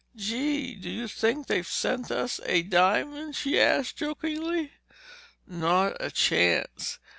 "Gee, do you think they've sent us a diamond?" she asked jokingly. "Not a chance.